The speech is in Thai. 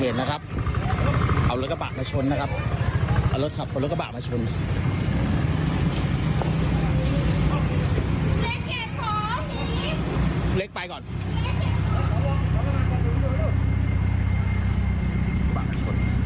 เทเราลบเอารถกระปะมาชนนะครับ